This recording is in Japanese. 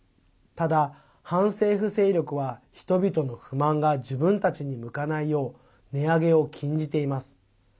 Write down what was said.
ただ、反政府勢力は人々の不満が自分たちに向かないよう値上げを禁じています。